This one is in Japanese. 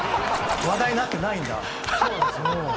話題になってないんだ。